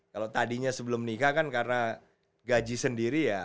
kalau tadinya sebelum nikah kan karena gaji sendiri ya